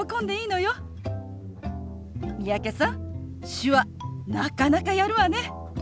手話なかなかやるわね。